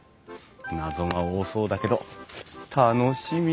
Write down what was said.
謎が多そうだけど楽しみ！